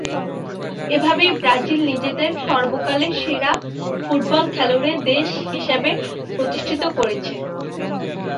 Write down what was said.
এভাবেই ব্রাজিল নিজেদের সর্বকালের সেরা ফুটবল খেলুড়ে দেশ হিসেবে প্রতিষ্ঠিত করেছে।